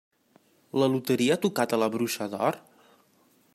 La loteria ha tocat a La bruixa d'or?